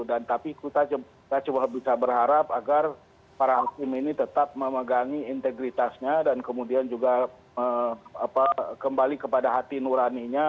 dan tapi kita cuma bisa berharap agar para hakim ini tetap memegangi integritasnya dan kemudian juga kembali kepada hati nuraninya